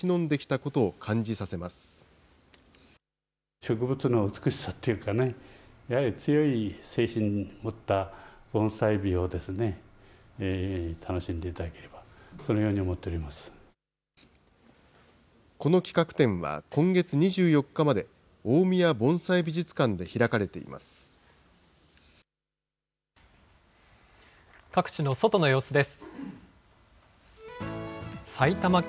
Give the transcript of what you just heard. この企画展は、今月２４日まで大宮盆栽美術館で開かれています。